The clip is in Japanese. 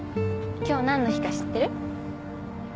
今日何の日か知ってる？